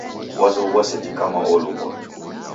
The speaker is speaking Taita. Wazoghua sejhi kama olukwa